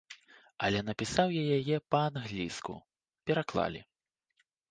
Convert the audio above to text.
Але напісаў я яе па-англійску, пераклалі.